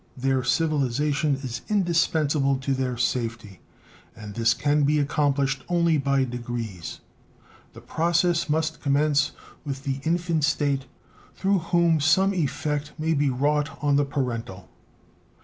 Their civilization is indispensable to their safety, and this can be accomplished only by degrees. The process must commence with the infant state, through whom some effect may be wrought on the parental.